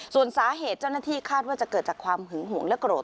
ส่วนสาเหตุเจ้าหน้าที่คาดว่าจะเกิดจากความหึงห่วงและโกรธ